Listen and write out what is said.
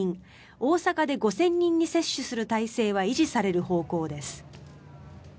大阪で５０００人に接種する体制は維持される方向です。